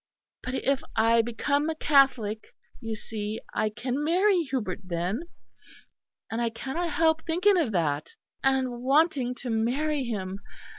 But if I become a Catholic, you see, I can marry Hubert then; and I cannot help thinking of that; and wanting to marry him.